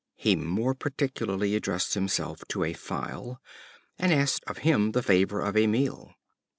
He more particularly addressed himself to a File, and asked of him the favor of a meal.